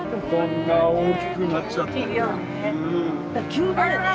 急だよね。